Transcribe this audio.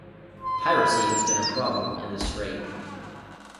Piracy has been a problem in the strait.